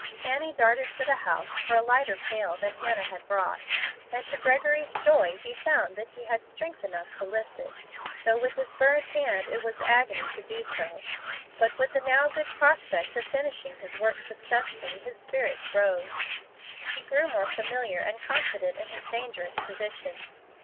Annie darted to the house for a lighter pail than Hannah had brought, and to Gregory's joy he found that he had strength enough to lift it, though with his burned band it was agony to do so. But with the now good prospect of finishing his work successfully, his spirits rose. He grew more familiar and confident in his dangerous position.